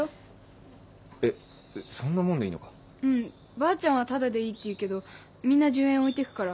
ばあちゃんはタダでいいって言うけどみんな１０円置いてくから。